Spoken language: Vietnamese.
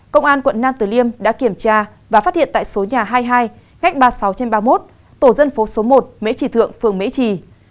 công an quận nam tử liêm đã kiểm tra và phát hiện tại số nhà hai mươi hai ngách ba mươi sáu trên ba mươi một tổ dân phố số một mễ trì thượng phường mễ trì